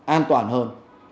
an toàn hơn